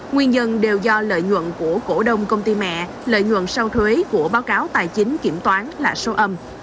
nguyên nhân đều do lợi nhuận của cổ đông công ty mẹ lợi nhuận sau thuế của báo cáo tài chính kiểm toán là số âm